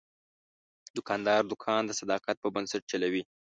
دوکاندار دوکان د صداقت په بنسټ چلوي.